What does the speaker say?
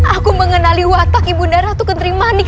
aku mengenali watak ibu naratu kentering manik